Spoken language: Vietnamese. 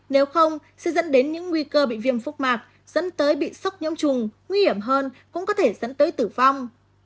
nếu không sẽ dẫn đến những nguy cơ bị viêm phúc mạc dẫn tới bị sốc nhiễm trùng nguy hiểm hơn cũng có thể dẫn tới tử vong